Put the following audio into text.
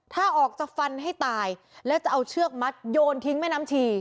ถ้าออกจะฟันให้ตายแล้วจะเอาเชือกมัดโยนทิ้งแม่น้ำชี